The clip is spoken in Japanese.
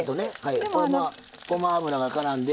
ごま油がからんで。